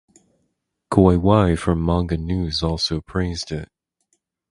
Koiwai from Manga News also praised it.